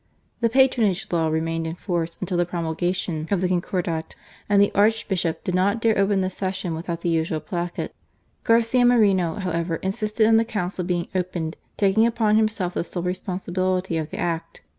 The Patronage Law remained in force until the promulgation of the Concordat, and the Archbishop did not dare open the Session without the usual placet. Garcia Moreno, however, insisted on the Council being opened, taking upon himself the sole responsibility of the act.